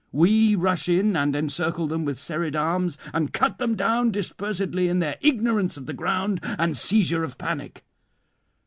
We rush in and encircle them with serried arms, and cut them down dispersedly in their ignorance of the ground and seizure of panic.